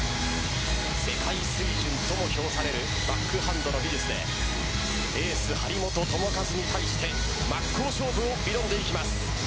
世界水準とも評されるバックハンドの技術でエース張本智和に対して真っ向勝負を挑んでいきます。